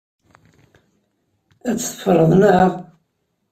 Ad tt-teffreḍ, naɣ?